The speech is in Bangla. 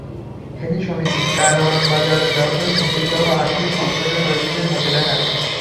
ফেনী সমিতি, কারওয়ান বাজার ব্যবসায়ী সমিতিসহ আরও কিছু সংগঠনের কর্মীদের হাতে ব্যানার।